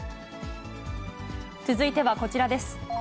続いてはこちらです。